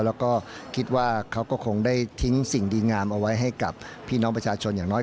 แล้วก็คิดว่าเขาก็คงได้ทิ้งสิ่งดีงามเอาไว้ให้กับพี่น้องประชาชนอย่างน้อย